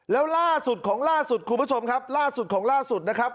แล้วล่าสุดของล่าสุดคุณผู้ชมครับล่าสุดของล่าสุดนะครับ